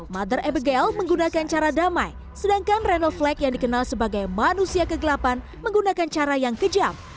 mother abigail menggunakan cara damai sedangkan ronald flag yang dikenal sebagai manusia kegelapan menggunakan cara yang kejam